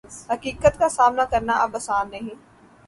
حقیقت کا سامنا کرنا اب آسان نہیں